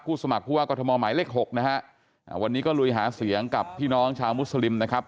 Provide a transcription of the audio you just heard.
สมัครผู้ว่ากรทมหมายเลข๖นะฮะวันนี้ก็ลุยหาเสียงกับพี่น้องชาวมุสลิมนะครับ